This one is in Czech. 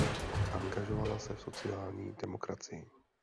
Angažovala se v sociální demokracii.